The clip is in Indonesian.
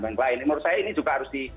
yang lain menurut saya ini juga harus di